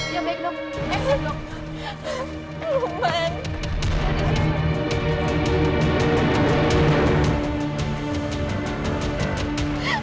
ya baik dok ya baik dok